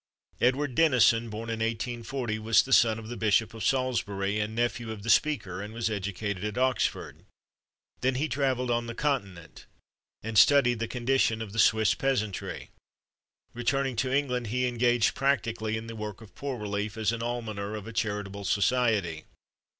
Edward Denison, born in 1840, was the son of the Bishop of Salisbury, and nephew of the Speaker, and was educated at Oxford. Then he travelled on the Continent, and studied the condition of the Swiss peasantry. Returning to England, he engaged practically in the work of poor relief as an almoner of a charitable society.